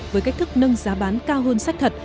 với cách thức nâng giá bán cao hơn sách thật